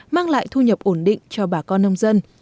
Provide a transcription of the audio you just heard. mang lại thu nhập ổn định cho bà con nông dân